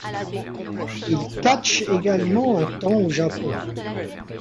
Il catche également un temps au Japon.